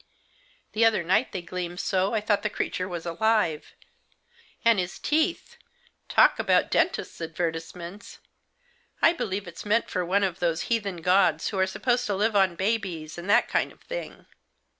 The other night they gleamed so I thought the creature was alive. And his teeth — talk about dentist's advertisements ! I believe it's meant for one of those heathen gods who are supposed to live on babies, and that kind of thing.